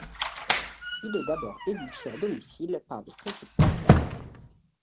Il est d'abord éduqué à domicile par des précepteurs.